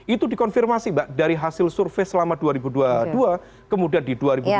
itu dikonfirmasi mbak dari hasil survei selama dua ribu dua puluh dua kemudian di dua ribu dua puluh